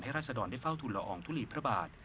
ให้ราชดอนทศ์ได้เฝ้าทุลล่อองทุหรี่พระบาท